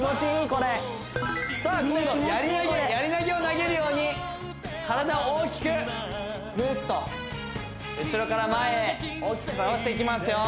これさあ今度やり投げやり投げを投げるように体を大きくぐーっと後ろから前へ大きく倒していきますよ